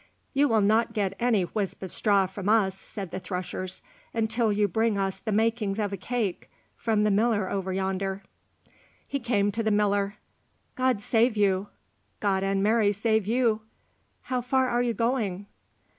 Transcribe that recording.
"You will not get any whisp of straw from us," said the threshers, "until you bring us the makings of a cake from the miller over yonder." He came to the miller. "God save you." "God and Mary save you." "How far are you going?"